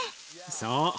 そう。